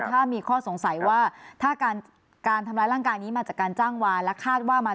จริงแล้วขดีทำร้ายร่างกายคือทำรวจต้องหาอยู่แล้วเนอะ